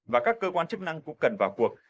và các cơ quan chức năng cũng cần vào cuộc